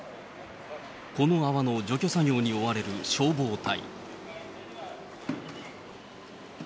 この泡の除去作業に追われる消防隊。